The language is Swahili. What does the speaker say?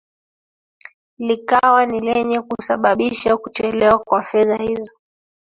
likawa ni lenye kusababisha kuchelewa kwa fedha hizo